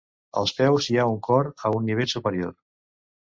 Als peus hi ha un cor a un nivell superior.